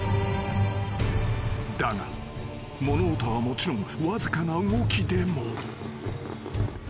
［だが物音はもちろんわずかな動きでも］